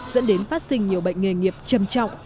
dẫn đến phát sinh nhiều bệnh nghề nghiệp châm trọng